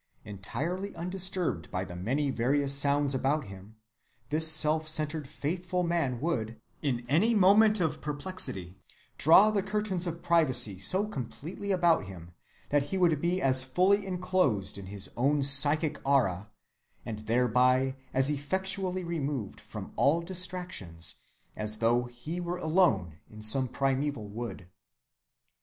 Entirely undisturbed by the many various sounds about him, this self‐centred faithful man would, in any moment of perplexity, draw the curtains of privacy so completely about him that he would be as fully inclosed in his own psychic aura, and thereby as effectually removed from all distractions, as though he were alone in some primeval wood.